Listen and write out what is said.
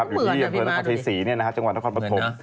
อยู่ที่เหมือนพระเจศรีย์จังหวัดนครปฐม